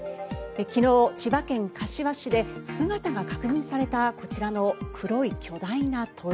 昨日、千葉県柏市で姿が確認されたこちらの黒い巨大な鳥。